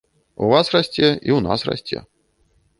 У вас расце, і ў нас расце.